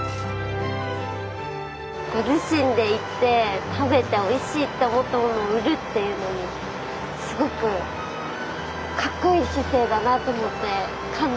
ご自身で行って食べておいしいって思ったものを売るっていうのにすごくかっこいい姿勢だなと思って感動しました。